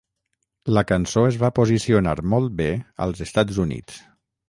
La cançó es va posicionar molt bé als Estats Units.